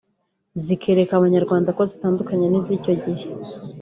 zikereka abanyarwanda ko zitandukanye n’iz’icyo gihe